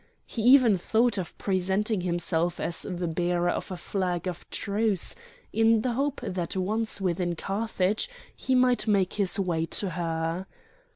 He even thought of presenting himself as the bearer of a flag of truce, in the hope that once within Carthage he might make his way to her.